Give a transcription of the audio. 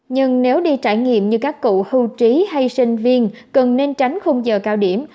nhưng nếu đi trải nghiệm như các cụ hưu trí hay sinh viên cần nên tránh khung giờ cao điểm